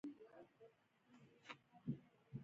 ډېر ژر د لوړ نوم او شهرت خاوند شو.